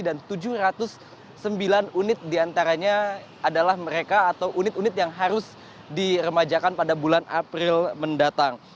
dan tujuh ratus sembilan unit diantaranya adalah mereka atau unit unit yang harus diremajakan pada bulan april mendatang